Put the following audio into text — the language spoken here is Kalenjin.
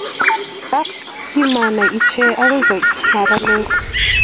Ak kimanai ichek agoi koit maranet